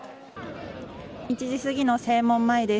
１時すぎの正門前です。